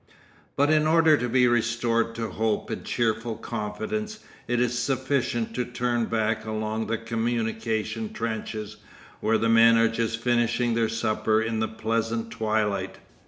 But in order to be restored to hope and cheerful confidence, it is sufficient to turn back along the communication trenches, where the men are just finishing their supper in the pleasant twilight.